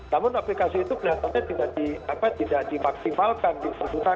namun aplikasi itu benar benar tidak di apa tidak dihubungi